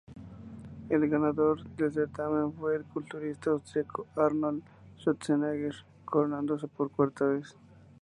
El ganador del certamen fue el culturista austriaco Arnold Schwarzenegger, coronándose por cuarta vez.